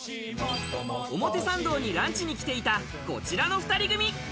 表参道にランチに来ていた、こちらの２人組。